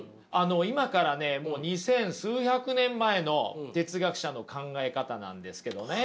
今からねもう二千数百年前の哲学者の考え方なんですけどね。